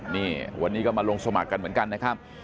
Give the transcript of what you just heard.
นี่วันนี้ก็มาลงสมัครกันเหมือนกันนะครับ